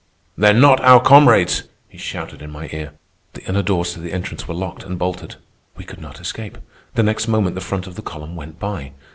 "They're not our comrades," he shouted in my ear. The inner doors to the entrance were locked and bolted. We could not escape. The next moment the front of the column went by.